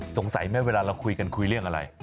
สงสัยไหมเวลาเราคุยกันคุยเรื่องอะไร